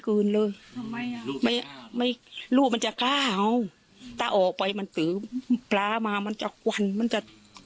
คืนเลยลูกมันจะก้าวถ้าออกไปมันถือปลามามันจะกวนมันจะ